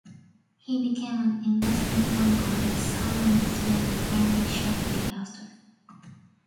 He became an investment banker at Salomon Smith Barney shortly after.